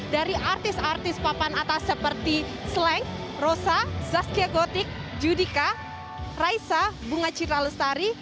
dari artis artis papan atas seperti slang rosa zazkia gotik judika raisa bunga citra lestari